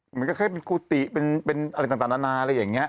มันก็แค่เป็นกุฏิเป็นอะไรต่างนานาอะไรอย่างนี้